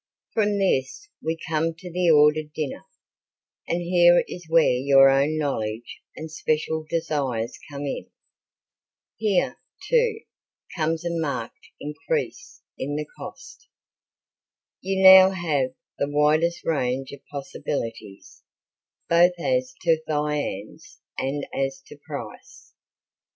From this we come to the ordered dinner, and here is where your own knowledge and special desires come in. Here, too, comes a marked increase in the cost. You now have the widest range of possibilities both as to viands and as to price.